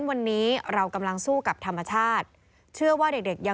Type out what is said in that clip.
วันนี้เข้ามีป้ายเลย